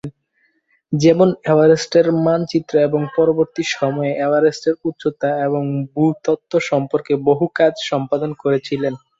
যেমন এভারেস্টের মানচিত্র এবং পরবর্তী সময়ে এভারেস্টের উচ্চতা এবং ভূতত্ত্ব সম্পর্কে বহু কাজ সম্পন্ন করে ছিলেন।